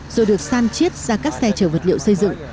rồi được san chiết ra các xe chở vật liệu xây dựng